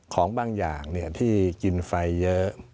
ของบางอย่างที่กินไฟเยอะ